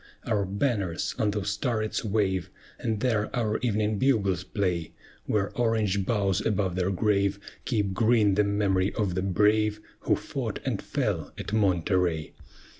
Our banners on those turrets wave, And there our evening bugles play: Where orange boughs above their grave Keep green the memory of the brave Who fought and fell at Monterey.